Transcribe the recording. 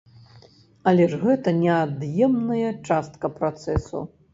Але ж гэта неад'емная частка працэсу.